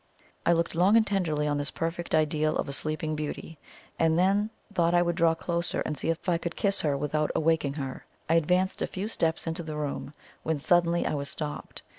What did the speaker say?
I looked long and tenderly on this perfect ideal of a "Sleeping Beauty," and then thought I would draw closer and see if I could kiss her without awaking her. I advanced a few steps into the room when suddenly I was stopped.